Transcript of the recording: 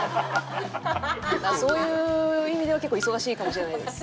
そういう意味では結構忙しいかもしれないです